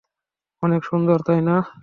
অনেক সুন্দর, তাই না?